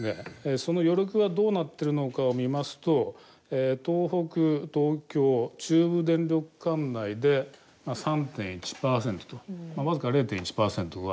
その余力がどうなってるのかを見ますと東北東京中部電力管内で３．１％とまあ僅か０．１％を上回るだけと。